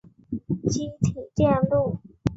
积体电路